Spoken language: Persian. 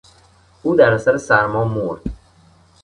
او در اثر سرما مرد.